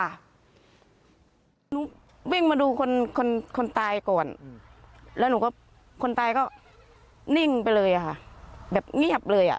หนูวิ่งมาดูคนคนตายก่อนแล้วหนูก็คนตายก็นิ่งไปเลยค่ะแบบเงียบเลยอ่ะ